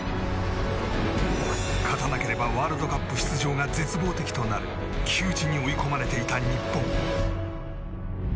勝たなければワールドカップ出場が絶望的となる窮地に追い込まれていた日本。